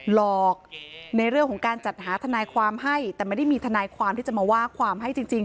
หลอกในเรื่องของการจัดหาทนายความให้แต่ไม่ได้มีทนายความที่จะมาว่าความให้จริง